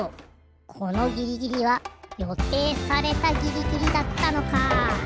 このギリギリはよていされたギリギリだったのか。